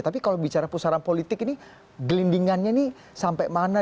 tapi kalau bicara pusaran politik ini gelindingannya ini sampai mana